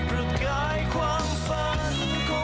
บ้าปาย